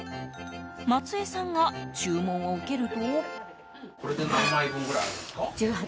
松江さんが注文を受けると。